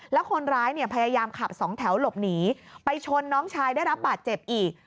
แล้วคนร้ายเนี่ยพยายามขับสองแถวหลบหนีไปชนน้องชายได้รับบาดเจ็บอีก